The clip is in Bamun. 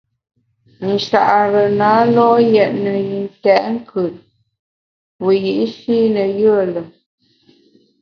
Nchare na lo’ yètne yi ntèt nkùt wiyi’shi ne yùe lùm.